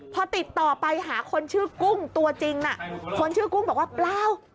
พอติดต่อไปหาคนชื่อกุ้งตัวจริงน่ะคนชื่อกุ้งบอกว่าเปล่า